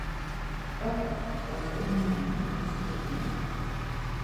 Ǩat̆us gatzǩominenna, oskedinare.